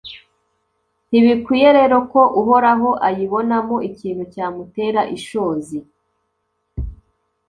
ntibikwiye rero ko uhoraho ayibonamo ikintu cyamutera ishozi: